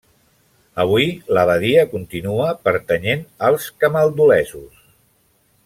Avui, l'abadia continua pertanyent als camaldulesos.